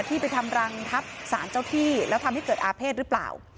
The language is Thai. ที่ไปทำรังทับสารเจ้าที่แล้วทำให้เกิดอาเภษหรือเปล่า